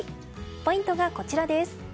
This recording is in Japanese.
ポイントがこちらです。